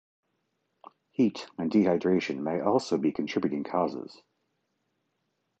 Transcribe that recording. Heat and dehydration may also be contributing causes.